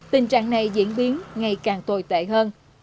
tình trạng này diễn biến ngày càng tồi tệ hơn